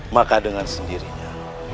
maka dengan sendirinya